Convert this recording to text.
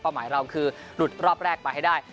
หมายเราคือหลุดรอบแรกไปให้ได้